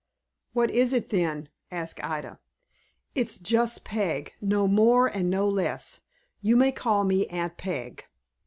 "What is it, then?" asked Ida. "It's just Peg, no more and no less. You may call me Aunt Peg."